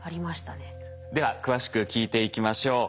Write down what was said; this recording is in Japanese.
では詳しく聞いていきましょう。